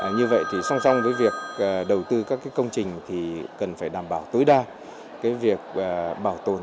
như vậy thì song song với việc đầu tư các công trình thì cần phải đảm bảo tối đa việc bảo tồn